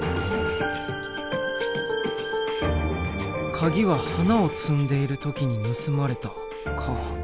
カギは花を摘んでいる時に盗まれたか。